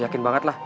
yakin banget lah